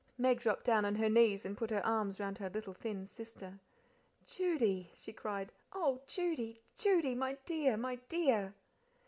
Meg dropped down on her knees and put her arms round her little thin sister. "Judy," she cried, "oh, Judy, Judy! my dear, my dear!"